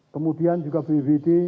kemudian juga bvbd